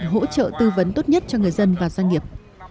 hỗ trợ tư vấn tốt nhất cho người dân và doanh nghiệp